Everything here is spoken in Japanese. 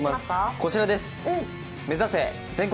こちらです。